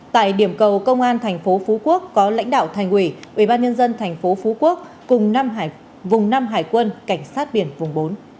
tại điểm cầu công an tp phú quốc có lãnh đạo thành quỷ ubnd tp phú quốc cùng vùng năm hải quân cảnh sát biển vùng bốn